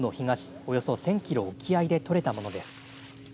およそ１０００キロ沖合でとれたものです。